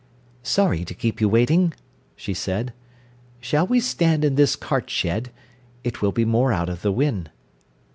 "Sorry to keep you waiting," she said. "Shall we stand in this cart shed it will be more out of the wind."